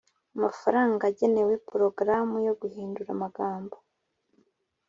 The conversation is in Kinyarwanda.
amafaranga agenewe Porogaramu yo guhindura amagambo